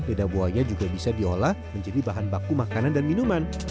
lidah buaya juga bisa diolah menjadi bahan baku makanan dan minuman